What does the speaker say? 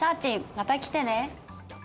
また来てね